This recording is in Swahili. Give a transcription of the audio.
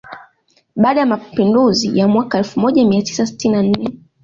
Baada ya mapinduzi ya mwaka elfu moja mia tisa sitini na nne